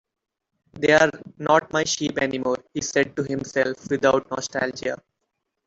"They're not my sheep anymore," he said to himself, without nostalgia.